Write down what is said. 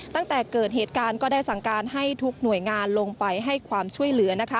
ตั้งแต่เกิดเหตุการณ์ก็ได้สั่งการให้ทุกหน่วยงานลงไปให้ความช่วยเหลือ